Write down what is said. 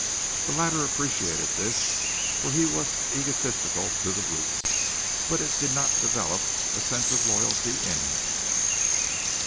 The latter appreciated this, for he was egotistic to the roots, but it did not develop a sense of loyalty in him.